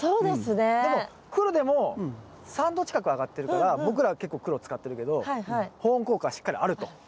でも黒でも３℃近く上がってるから僕らは結構黒使ってるけど保温効果はしっかりあると。